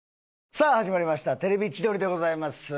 さあ始まりました『テレビ千鳥』でございます。